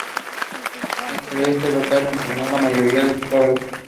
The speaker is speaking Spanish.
En este local estrenó la mayoría de sus obras.